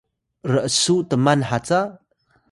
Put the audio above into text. r’su tman haca?